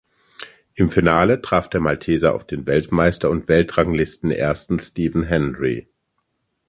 Im Finale traf der Malteser auf den Weltmeister und Weltranglistenersten Stephen Hendry.